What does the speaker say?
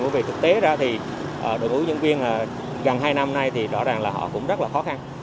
bởi vì thực tế ra thì đội hướng dẫn viên gần hai năm nay thì rõ ràng là họ cũng rất là khó khăn